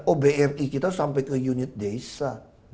oh bri kita sampai ke unit desa